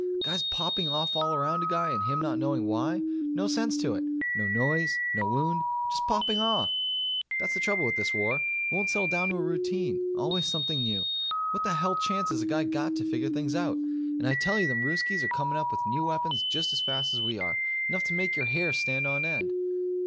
Guys popping off all around a guy and him not knowing why. No sense to it. No noise. No wound. Just popping off. That's the trouble with this war. It won't settle down to a routine. Always something new. What the hell chance has a guy got to figure things out? And I tell you them Ruskies are coming up with new weapons just as fast as we are. Enough to make your hair stand on end.